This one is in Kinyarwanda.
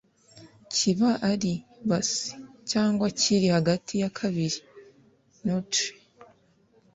kiba ari “base” cyangwa kiri hagati ya bibiri(neutre)